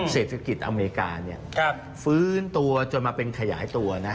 เศรษฐกิจอเมริกาฟื้นตัวจนมาเป็นขยายตัวนะ